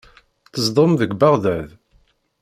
Tzedɣem deg Beɣdad?